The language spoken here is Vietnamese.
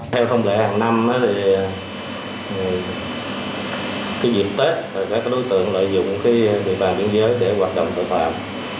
theo thông lệ hàng năm thì dịp tết các đối tượng lợi dụng địa bàn biên giới để hoạt động tội phạm